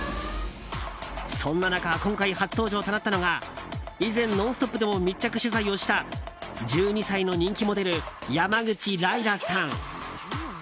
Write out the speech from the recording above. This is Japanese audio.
そんな中今回、初登場となったのが以前、「ノンストップ！」でも密着取材をした１２歳の人気モデル山口らいらさん。